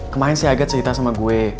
kemaren si aget cerita sama gue